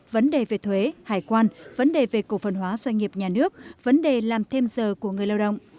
vấn đề về thuế hải quan vấn đề về cổ phần hóa doanh nghiệp nhà nước vấn đề làm thêm giờ của người lao động